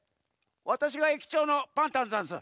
わたしがえきちょうのパンタンざんす。